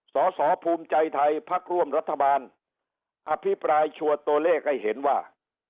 สอสอภูมิใจไทยพักร่วมรัฐบาลอภิปรายชัวร์ตัวเลขให้เห็นว่า